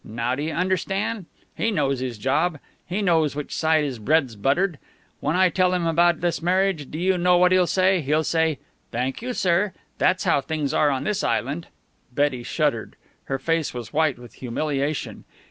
Now do you understand? He knows his job. He knows which side his bread's buttered. When I tell him about this marriage, do you know what he'll say? He'll say 'Thank you, sir!' That's how things are in this island." Betty shuddered. Her face was white with humiliation.